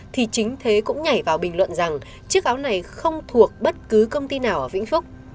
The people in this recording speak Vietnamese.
thì chính thế cũng nhảy vào bình luận rằng chiếc áo này không thuộc bất cứ công ty nào ở vĩnh phúc